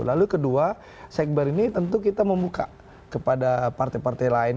lalu kedua sekber ini tentu kita membuka kepada partai partai lain